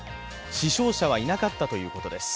死傷者はいなかったということです。